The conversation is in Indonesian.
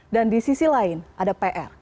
dan di sisi lain ada pr